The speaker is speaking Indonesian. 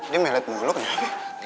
dia melihat movie lo kenapa